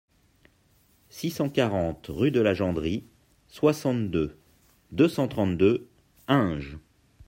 six cent quarante rue de la Jandrie, soixante-deux, deux cent trente-deux, Hinges